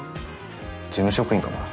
事務職員かもな。